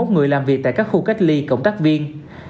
bảy trăm hai mươi một người làm việc tại các khu cách ly cộng tác viên